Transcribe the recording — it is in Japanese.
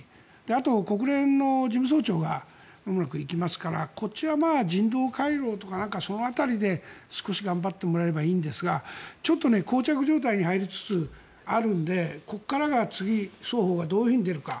あと国連の事務総長がまもなく行きますからこっちは人道回廊とかその辺りで少し頑張ってもらえればいいんですがちょっとこう着状態に入りつつあるのでここからが次双方がどういうふうに出るか。